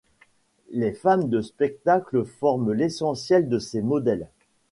Les femmes de spectacles forment l'essentiel de ses modèles.